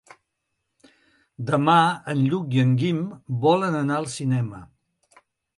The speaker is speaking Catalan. Demà en Lluc i en Guim volen anar al cinema.